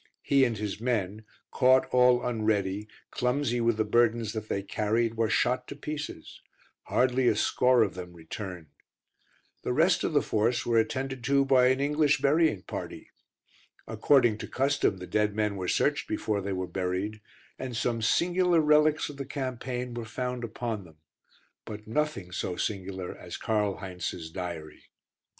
He and his men, caught all unready, clumsy with the burdens that they carried, were shot to pieces; hardly a score of them returned. The rest of the force were attended to by an English burying party. According to custom the dead men were searched before they were buried, and some singular relies of the campaign were found upon them, but nothing so singular as Karl Heinz's diary.